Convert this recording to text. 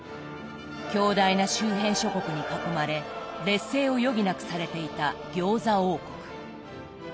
強大な周辺諸国に囲まれ劣勢を余儀なくされていた餃子王国。